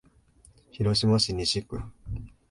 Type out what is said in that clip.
広島市西区